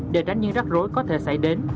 để đánh những rắc rối có thể xảy đến